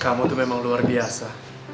kamu tuh memang luar biasa